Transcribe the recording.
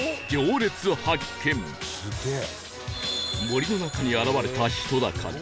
森の中に現れた人だかり